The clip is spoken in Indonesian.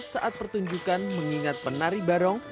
saat pertunjukan mengingat penari barong